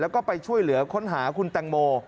แล้วก็ไปช่วยเหลือค้นหาคุณแตงโม